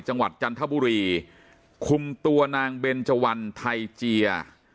จังหวัดจันทบุรีคุมตัวนางเบนเจาันไทเจีย